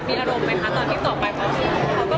แต่มีอารมณ์ไหมคะตอนที่สอบไปพอ